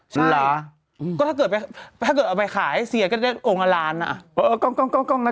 ใช่ก็ถ้าเกิดไปถ้าเกิดเอาไปขายให้เซียนก็ได้โองละล้านน่ะ